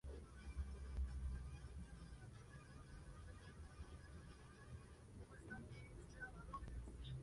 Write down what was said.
La programación de ProSieben está basada en el entretenimiento y series internacionales.